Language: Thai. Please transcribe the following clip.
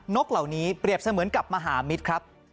กเหล่านี้เปรียบเสมือนกับมหามิตรครับ